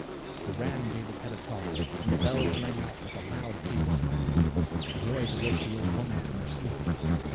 The ram gave his head a toss and the bells rang out with a loud peal. The noise awoke the old woman from her sleep.